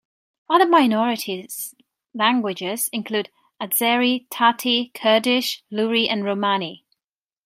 Other minorities languages include Azeri, Tati, Kurdish, Luri, and Romani.